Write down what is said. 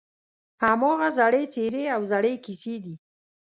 هماغه زړې څېرې او زړې کیسې دي.